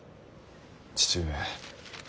父上。